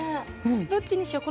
どっちにしよう？